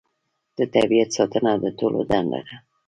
د طبیعت ساتنه د ټولو دنده ده